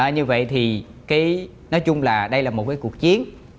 như vậy thì nói chung là đây là một cuộc chiến